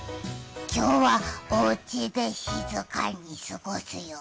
今日は、おうちで静かに過ごすよ